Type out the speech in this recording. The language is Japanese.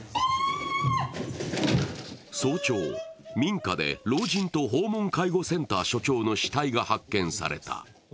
早朝、民家で老人と訪問介護センター所長の死体が発見された。